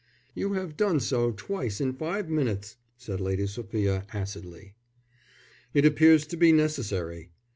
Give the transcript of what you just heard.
"You have done so twice in five minutes," said Lady Sophia, acidly. "It appears to be necessary.